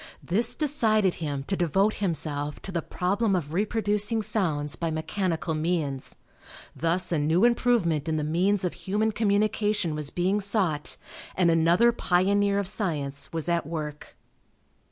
This decided him to devote himself to the problem of reproducing sounds by mechanical means. Thus a new improvement in the means of human communication was being sought and another pioneer of science was at work.